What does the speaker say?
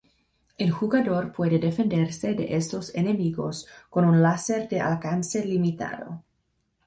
El jugador puede defenderse de estos enemigos con un laser de alcance limitado.